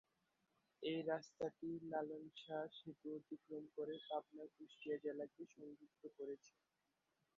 এই রাস্তাটি লালন শাহ সেতু অতিক্রম করে পাবনা-কুষ্টিয়া জেলাকে সংযুক্ত করেছে।